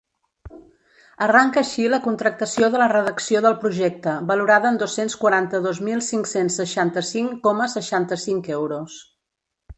Arranca així la contractació de la redacció del projecte, valorada en dos-cents quaranta-dos mil cinc-cents seixanta-cinc coma seixanta-cinc euros.